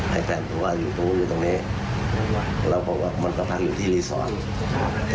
ให้แฟนตัวอยู่ตรงนี้แล้วบอกว่ามันก็พักอยู่ที่รีสอร์ท